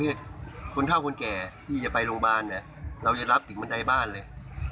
คนเท่าคนแก่ที่จะไปโรงพยาบาลเนี่ยเราจะรับถึงบันไดบ้านเลย